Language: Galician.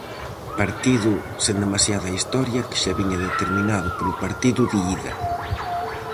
Partido sen demasiada historia que xa viña determinado polo partido de ida.